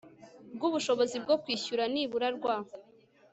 rw ubushobozi bwo kwishyura nibura rwa